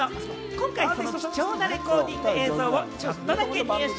今回、その貴重なレコーディング映像をちょっとだけ入手。